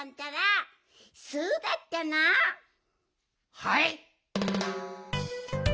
はい？